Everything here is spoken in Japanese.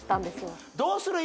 どうする？